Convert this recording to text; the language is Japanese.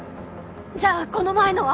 じゃあこの前のは？